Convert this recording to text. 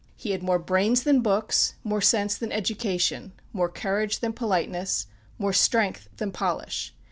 He had more brains than books; more sense than education; more courage than politeness; more strength than polish.